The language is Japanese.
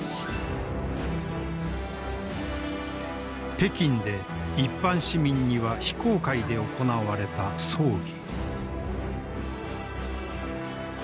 北京で一般市民には非公開で行われた葬儀。